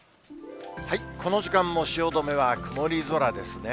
この時間も汐留は曇り空ですね。